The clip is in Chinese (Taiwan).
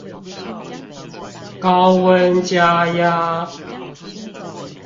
高溫加壓